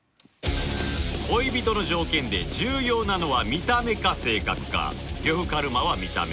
恋人の条件で重要なのは「見た目」か「性格」か呂布カルマは「見た目」